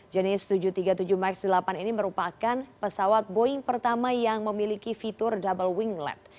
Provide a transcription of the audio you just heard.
jenis tujuh ratus tiga puluh tujuh max delapan ini merupakan pesawat boeing pertama yang memiliki fitur double winglet